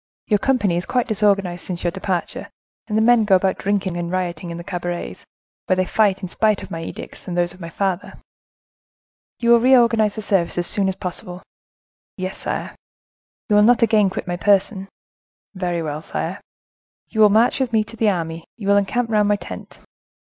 Your company is quite disorganized since your departure, and the men go about drinking and rioting in the cabarets, where they fight, in spite of my edicts, and those of my father. You will reorganize the service as soon as possible." "Yes, sire." "You will not again quit my person." "Very well, sire." "You will march with me to the army, you will encamp round my tent."